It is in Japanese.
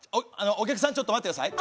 お客さんちょっと待って下さい。